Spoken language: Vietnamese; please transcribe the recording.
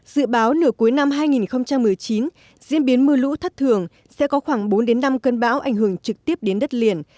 dự báo nửa cuối năm hai nghìn một mươi chín diễn biến mưa lũ thất thường sẽ có khoảng bốn năm cơn bão ảnh hưởng trực tiếp đến đất liền